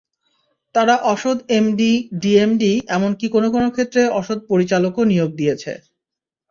তারা অসৎ MD, DMD এমনকি কোনো কোনো ক্ষেত্রে অসৎ পরিচালকও নিয়োগ দিয়েছে।